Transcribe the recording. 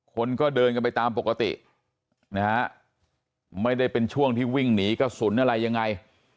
คนก็เดินกันไปตามปกตินะฮะไม่ได้เป็นช่วงที่วิ่งหนีกระสุนอะไรยังไง